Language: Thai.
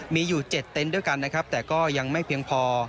มีอยู่๗เต็นต์ด้วยกันนะครับแต่ก็ยังไม่เพียงพอ